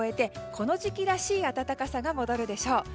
この時期らしい暖かさが戻るでしょう。